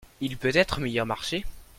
Il peut être meilleur marché ?